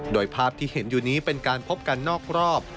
โดยภาพที่เห็นอยู่นี้เป็นการพบกันนอกรอบ